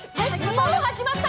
もうはじまった！？